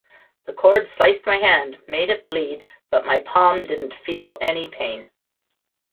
The chord sliced my hand made it bleed, but my palm didn't feel any pain.